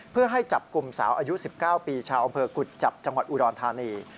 เพื่อให้จับกลุ่มสาวอายุ๑๙ปีชาวอำเภอกุจจับจังหวัดอุดรธานี